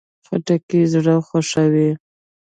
خټکی زړه خوښوي.